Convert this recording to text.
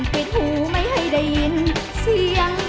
ปิดหูไม่ให้ได้ยินเสียง